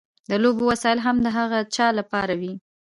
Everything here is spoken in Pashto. د لوبو وسایل هم د هغه چا لپاره وي.